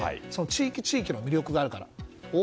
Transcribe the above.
地域地域の魅力があるから。